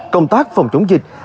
công tác phòng chống dịch